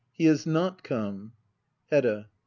He has not come. Hedda.